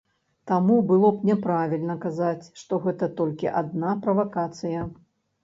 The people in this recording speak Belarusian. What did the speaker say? Таму было б няправільна казаць, што гэта толькі адна правакацыя.